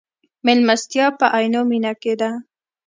مېلمستیا په عینومېنه کې ده.